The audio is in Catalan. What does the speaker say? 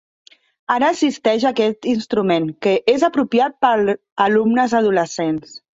Ara existeix aquest instrument, que és apropiat per alumnes adolescents.